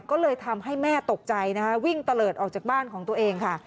ก็เลยทำให้แม่ตกใจนะคะวิ่งตะเลิศออกจากบ้านของตัวเองค่ะ